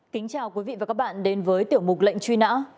kính chào quý vị và các bạn đến với tiểu mục lệnh truy nã